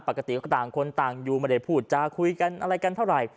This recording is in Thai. ปกติก็ต่างคนต่างอยู่ไม่ได้พูดจาคุยกันอะไรกันเท่าไหร่